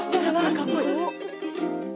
かっこいい。